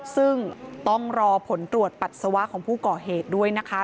ซึ่งต้องรอผลตรวจปัสสาวะของผู้ก่อเหตุด้วยนะคะ